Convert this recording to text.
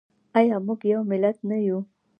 آیا موږ یو ملت نه یو؟